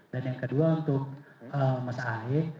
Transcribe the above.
dan yang kedua untuk mas ahe